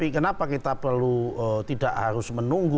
kenapa kita perlu tidak harus menunggu